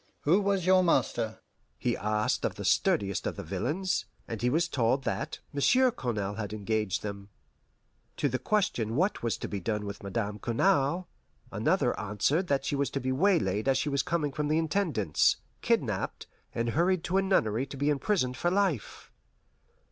"Who was your master?" he asked of the sturdiest of the villains; and he was told that Monsieur Cournal had engaged them. To the question what was to be done with Madame Cournal, another answered that she was to be waylaid as she was coming from the Intendance, kidnapped, and hurried to a nunnery to be imprisoned for life.